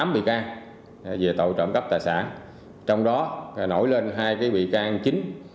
tám bị can về tàu trộm cắp tài sản trong đó nổi lên hai cái bị can chính